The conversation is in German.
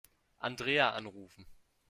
Andrea anrufen.